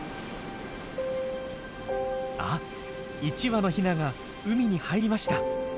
あっ１羽のヒナが海に入りました！